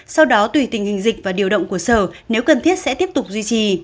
sau đó tùy tình hình dịch và điều động của sở nếu cần thiết sẽ tiếp tục duy trì